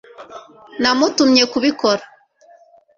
namutumye kubikora